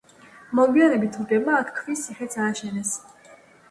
მოგვიანებით თურქებმა აქ ქვის ციხეც ააშენეს.